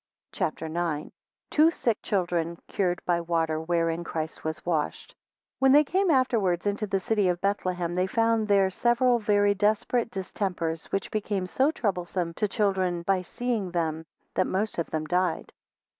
CHAPTER IX. 2 Two sick children cured by water wherein Christ was washed. WHEN they came afterwards into the city of Bethlehem, they found there several very desperate distempers, which became so troublesome to children by seeing them, that most of them died.